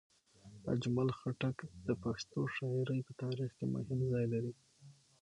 اجمل خټک د پښتو شاعرۍ په تاریخ کې مهم ځای لري.